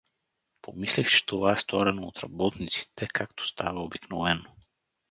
Помислих, че това е сторено от работниците, както става обикновено.